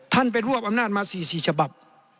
ท่านไปรวบอำนาจมา๔ศิษย์ฉบับ